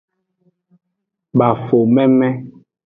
Bafo meme.